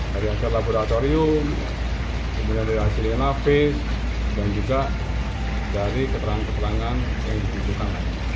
dari hasil laboratorium kemudian dari hasilnya nafis dan juga dari keterangan keterangan yang diperlukan